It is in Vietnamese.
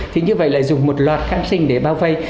thì như vậy lại dùng một loạt kháng sinh để bao vây